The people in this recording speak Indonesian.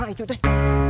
mana mekas itu yang